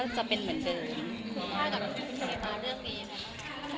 คุณค่ะกับคุณสนุกต่อเรื่องนี้เนี่ย